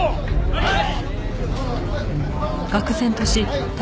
はい！